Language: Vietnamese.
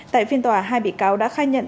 tại phiên tòa hai bị cáo đã khai nhận